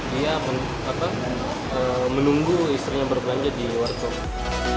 dia menunggu istrinya berbelanja di warung kopi